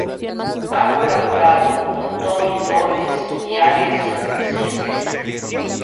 Ha colaborado con Tommy Torres y Aleks Syntek.